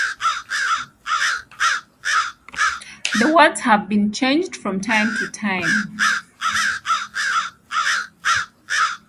The words have been changed from time to time.